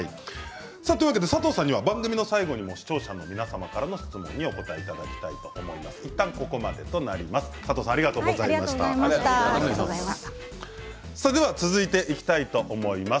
佐藤さんには番組の最後でも視聴者の皆さんからの質問にお答えいただきたいと思います。